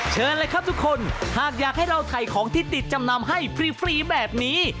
เชิญเลยครับทุกคนหากอยากให้เราถ่ายของที่ติดจำนำให้ฟรีแบบนี้